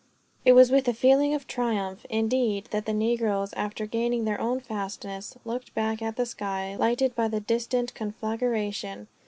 It was with a feeling of triumph, indeed, that the negroes, after gaining their own fastness, looked back at the sky, lighted by the distant conflagration.